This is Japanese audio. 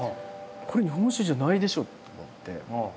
これ日本酒じゃないでしょと思って。